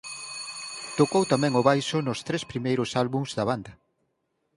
Tocou tamén o baixo nos tres primeiros álbums da banda.